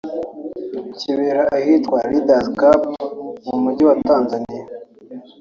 kibera ahitwa Leaders Club mu mujyi wa Tanzaniya